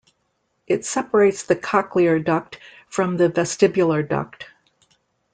It separates the cochlear duct from the vestibular duct.